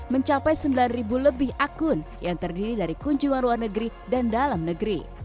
mencapai sembilan lebih akun yang terdiri dari kunjungan luar negeri dan dalam negeri